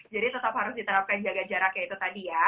jadi tetap harus diterapkan jaga jaraknya itu tadi ya